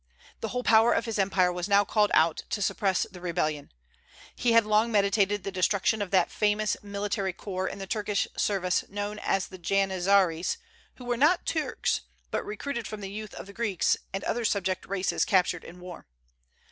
The whole power of his empire was now called out to suppress the rebellion. He had long meditated the destruction of that famous military corps in the Turkish service known as the Janizaries, who were not Turks, but recruited from the youth of the Greeks and other subject races captured in war.